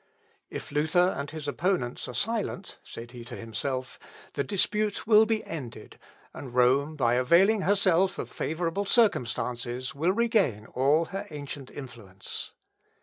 If Luther and his opponents are silent, said he to himself, the dispute will be ended, and Rome by availing herself of favourable circumstances will regain all her ancient influence.